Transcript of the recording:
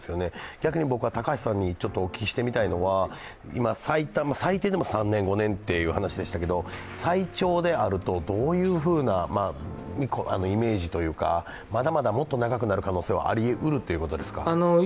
逆に僕は高橋さんにお聞きしてみたいのは、最低でも３５年ということでしたけど最長であると、どういうふうなイメージというか、まだまだもっと長くなる可能性はありえるということですか。